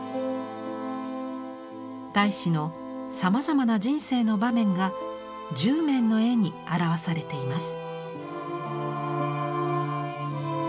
太子のさまざまな人生の場面が１０面の絵に表されています。